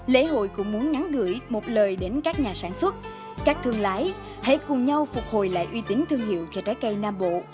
lễ hội cũng muốn nhắn gửi một lời đến các nhà sản xuất các thương lái hãy cùng nhau phục hồi lại uy tín thương hiệu cho trái cây nam bộ